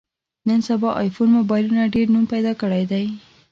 نن سبا ایفون مبایلونو ډېر نوم پیدا کړی دی.